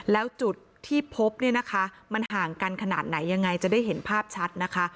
แล้วจุดที่พบเนี่ยนะคะมันห่างกันขนาดไหนยังไงจะได้เห็นภาพชัดนะคะ